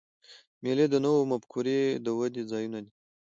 مېلې د نوو مفکورې د ودي ځایونه دي.